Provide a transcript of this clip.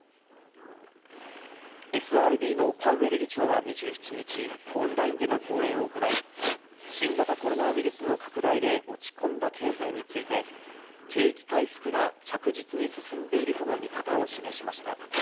ＦＲＢのパウエル議長は２７日、オンラインでの講演を行い、新型コロナウイルスの拡大で落ち込んだ経済について、景気回復が着実に進んでいるとの見方を示しました。